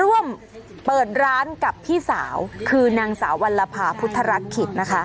ร่วมเปิดร้านกันที่พี่สาวคือนางสาววันนรภาพุทธรัคคิด